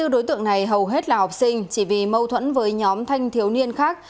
hai mươi đối tượng này hầu hết là học sinh chỉ vì mâu thuẫn với nhóm thanh thiếu niên khác